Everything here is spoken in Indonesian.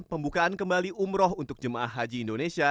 pembukaan kembali umroh untuk jemaah haji indonesia